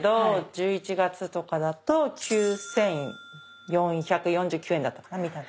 １１月とかだと９，４４９円だったかな？